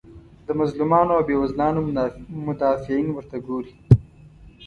د مظلومانو او بیوزلانو مدافعین ورته ګوري.